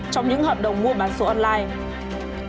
trong những hợp đồng mua bán số online